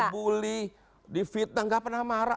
pak prabowo dibully di fitnah gak pernah marah